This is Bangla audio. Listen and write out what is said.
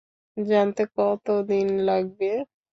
জানতে কতদিন লাগবে?